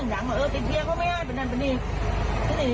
แต่ทีนี้คุยกับเจ้านี้เรียบร้อยแล้ว